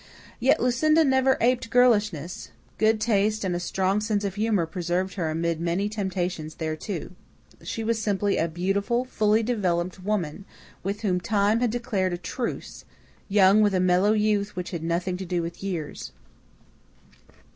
Yet Lucinda never aped girlishness; good taste and a strong sense of humour preserved her amid many temptations thereto. She was simply a beautiful, fully developed woman, with whom Time had declared a truce, young with a mellow youth which had nothing to do with years.